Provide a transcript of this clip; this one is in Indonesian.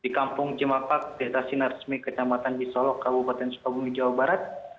di kampung cimapak di atas sinar resmi kecamatan di solok kabupaten sukabumi jawa barat